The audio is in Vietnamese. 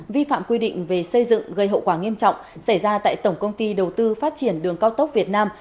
vi phạm quy định về xây dựng gây hậu quả nghiêm trọng xảy ra tại tổng công ty đầu tư phát triển đường cao tốc việt nam